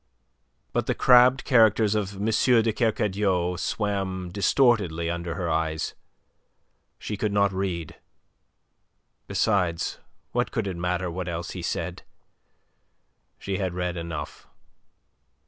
But the crabbed characters of M. de Kercadiou swam distortedly under her eyes. She could not read. Besides, what could it matter what else he said. She had read enough.